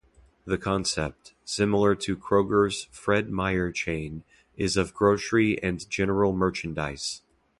The concept, similar to Kroger's Fred Meyer chain, is of grocery and general merchandise.